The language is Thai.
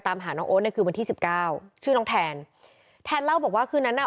ตามหาน้องโอ๊ตเนี่ยคือวันที่สิบเก้าชื่อน้องแทนแทนเล่าบอกว่าคืนนั้นอ่ะ